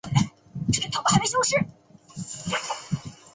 与此相关的还有法语中的。